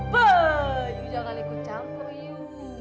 bah you jangan ikut campur you